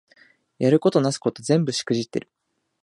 やることなすこと全部しくじってる